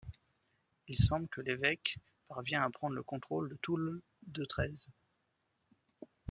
Il semble que l'évêque parvient à prendre le contrôle de tout l' de Traize.